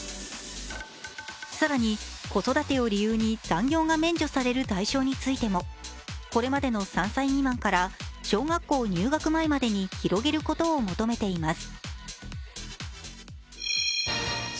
更に、子育てを理由に残業が免除される対象についてもこれまでの３歳未満から小学校入学前までに広げることを求めています。